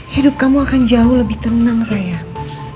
hidup kamu akan jauh lebih tenang sayang